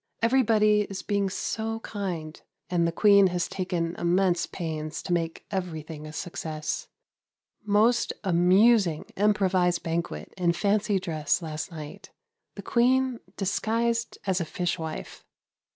Everybody is being so kind, and the Queen has taken immense pains to make everything a success. Most amusing improvised banquet in fancy dress last night. The Queen disguised as a fish wife.